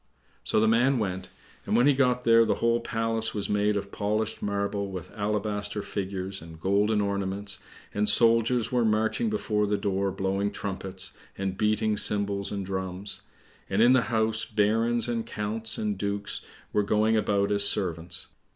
So the man went, and when he got there the whole palace was made of polished marble with alabaster figures and golden ornaments, and soldiers were marching before the door blowing trumpets, and beating cymbals and drums; and in the house, barons, and counts, and dukes were going about as servants.